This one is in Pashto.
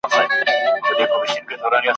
هم په سپیو کي د کلي وو غښتلی !.